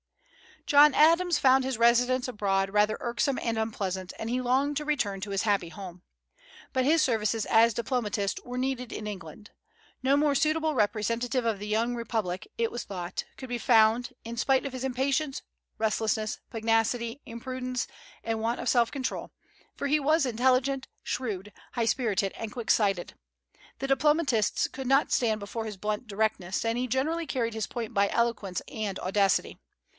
John Adams found his residence abroad rather irksome and unpleasant, and he longed to return to his happy home. But his services as a diplomatist were needed in England. No more suitable representative of the young republic, it was thought, could be found, in spite of his impatience, restlessness, pugnacity, imprudence, and want of self control; for he was intelligent, shrewd, high spirited, and quick sighted. The diplomatists could not stand before his blunt directness, and he generally carried his point by eloquence and audacity.